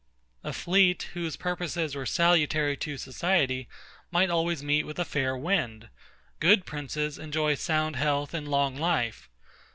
A fleet, whose purposes were salutary to society, might always meet with a fair wind. Good princes enjoy sound health and long life.